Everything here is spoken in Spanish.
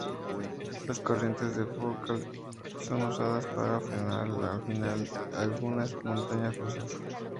Las corrientes de Foucault son usadas para frenar al final de algunas montañas rusas.